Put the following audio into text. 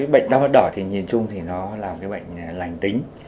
bệnh đau mắt đỏ nhìn chung là một bệnh lành tính